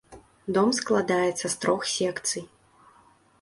Дом складаецца з трох секцый.